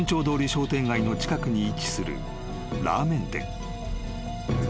商店街の近くに位置するラーメン店］